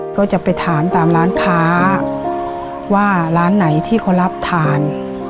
ก็จะไปถามตามร้านค้าว่าร้านไหนที่เขารับทาน